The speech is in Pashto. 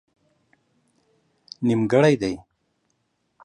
نيمګړئ دي